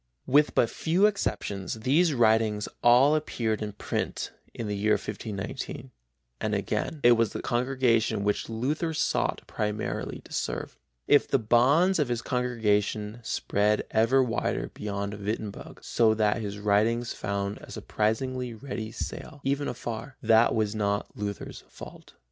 With but few exceptions these writings all appeared in print in the year 1519, and again it was the congregation which Luther sought primarily to serve. If the bounds of his congregation spread ever wider beyond Wittenberg, so that his writings found a surprisingly ready sale, even afar, that was not Luther's fault.